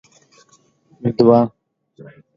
دوه